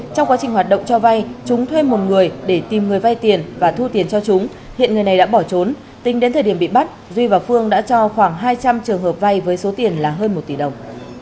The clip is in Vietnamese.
trong quá trình hoạt động cho vay chúng thuê một người để tìm người vay tiền và thu tiền cho chúng hiện người này đã bỏ trốn tính đến thời điểm bị bắt duy và phương đã cho khoảng hai trăm linh trường hợp vay với số tiền là hơn một tỷ đồng